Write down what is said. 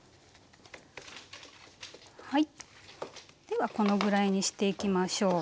ではこのぐらいにしていきましょう。